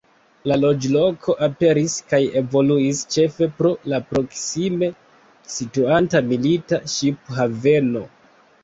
La loĝloko aperis kaj evoluis ĉefe pro la proksime situanta milita ŝip-haveno.